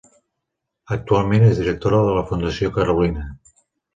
Actualment és directora de la Fundació Carolina.